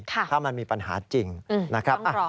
ถ้ามันมีปัญหาจริงนะครับ